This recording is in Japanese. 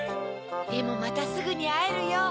でもまたすぐにあえるよ。